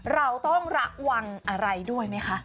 เราต้องระวังอะไรด้วยไหมคะ